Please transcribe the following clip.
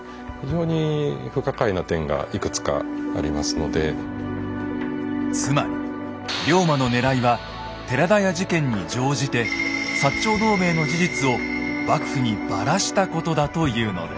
なぜつまり龍馬のねらいは寺田屋事件に乗じて長同盟の事実を幕府にバラしたことだというのです。